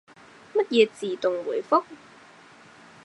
乜嘢自動回覆？